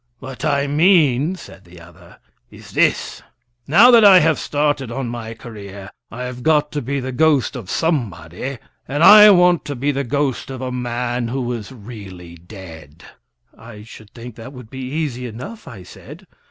"What I mean," said the other, "is this: Now that I have started on my career I have got to be the ghost of somebody, and I want to be the ghost of a man who is really dead." "I should think that would be easy enough," I said.